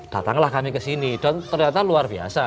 datanglah kami ke sini dan ternyata luar biasa